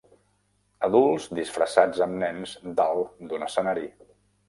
Adults disfressats amb nens dalt d'un escenari.